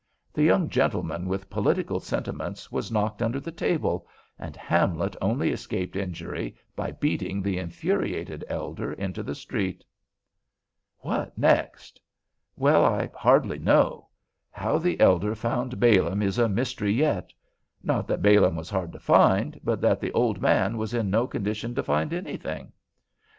The young gentleman with political sentiments was knocked under the table, and Hamlet only escaped injury by beating the infuriated elder into the street. What next? Well, I hardly know. How the elder found Balaam is a mystery yet: not that Balaam was hard to find, but that the old man was in no condition to find anything.